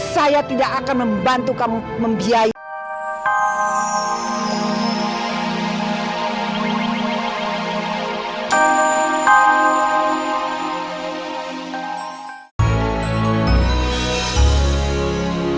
saya tidak akan membantu kamu membiayai